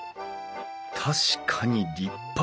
確かに立派。